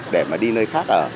để mà đi nơi khác ở